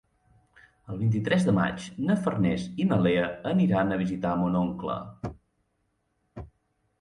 El vint-i-tres de maig na Farners i na Lea aniran a visitar mon oncle.